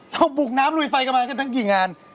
ปลูกน้ำลุยไฟกันมากันทั้งกี่งาน